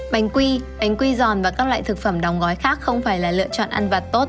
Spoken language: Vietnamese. bánh quy bánh quy giòn và các loại thực phẩm đóng gói khác không phải là lựa chọn ăn vặt tốt